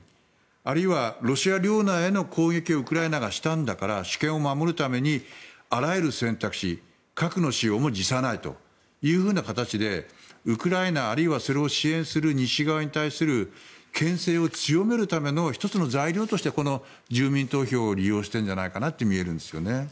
あるいはロシア領内への攻撃をウクライナがしたんだから主権を守るためにあらゆる選択肢核の使用も辞さないという形でウクライナあるいはそれを支援する西側に対する牽制を強めるための１つの材料としてこの住民投票を利用してるんじゃないかなと見えるんですがね。